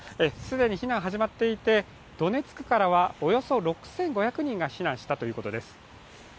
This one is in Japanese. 既に避難始まっていて、ドネツクからはおよそ６５００人が避難したということです。